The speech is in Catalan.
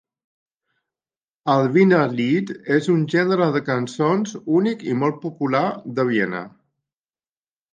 El Wienerlied és un gènere de cançons únic i molt popular de Viena.